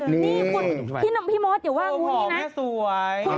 นี่พี่มอสเดี๋ยวว่ามุมหอมแม่สวย